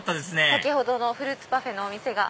先ほどのフルーツパフェのお店が。